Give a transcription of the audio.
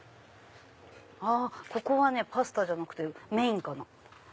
あっここはねパスタじゃなくてメインかな。